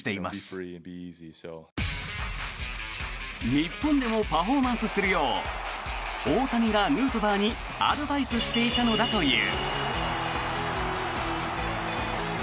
日本でもパフォーマンスするよう大谷がヌートバーにアドバイスしていたのだという。